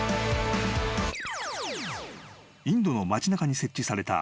［インドの町中に設置された］